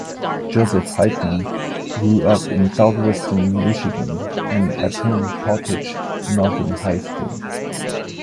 Joseph Heitman grew up in southwestern Michigan and attended Portage Northern High School.